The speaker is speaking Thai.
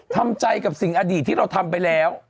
ทำใจกับสิ่งอดีตที่เราทำไปแล้ว